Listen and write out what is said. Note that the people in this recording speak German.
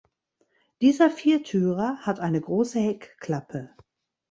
Dieser Viertürer hat eine große Heckklappe.